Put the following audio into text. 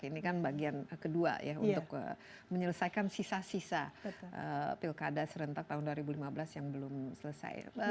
ini kan bagian kedua ya untuk menyelesaikan sisa sisa pilkada serentak tahun dua ribu lima belas yang belum selesai